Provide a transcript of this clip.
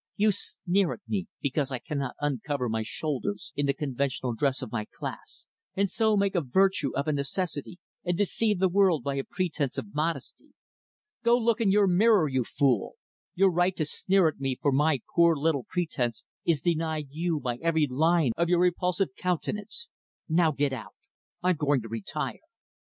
You sneer at me because I cannot uncover my shoulders in the conventional dress of my class, and so make a virtue of a necessity and deceive the world by a pretense of modesty. Go look in your mirror, you fool! Your right to sneer at me for my poor little pretense is denied you by every line of your repulsive countenance Now get out. I'm going to retire."